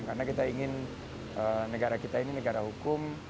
karena kita ingin negara kita ini negara hukum